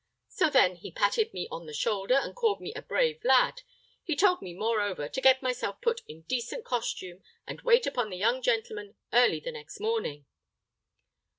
So, then, he patted me on the shoulder, and called me a brave lad. He told me, moreover, to get myself put in decent costume, and wait upon the young gentleman early the next morning."